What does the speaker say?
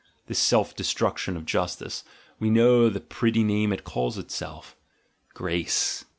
— The self destruction of Justice! we know the pretty name it calls itself — Grace!